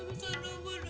bisa numpuh kakak ya